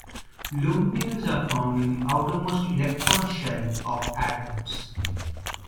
Lone pairs are found in the outermost electron shell of atoms.